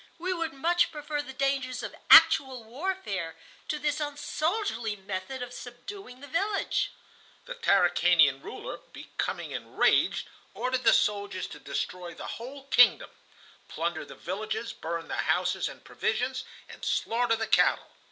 We would much prefer the dangers of actual warfare to this unsoldierly method of subduing the village." The Tarakanian ruler, becoming enraged, ordered the soldiers to destroy the whole kingdom, plunder the villages, burn the houses and provisions, and slaughter the cattle.